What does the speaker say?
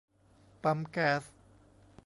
ปั๊มแก๊ส